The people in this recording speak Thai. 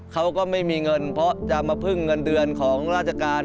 เขาก็ไม่มีเงินเพราะจะมาพึ่งเงินเดือนของราชการ